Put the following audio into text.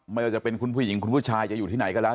ไม่ว่าจะเป็นคุณผู้หญิงคุณผู้ชายจะอยู่ที่ไหนก็แล้ว